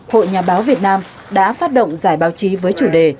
hội nhà báo việt nam đã phát động giải báo chí với chủ đề